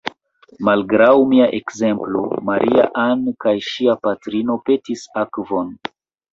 Malgraŭ mia ekzemplo, Maria-Ann kaj ŝia patrino petis akvon.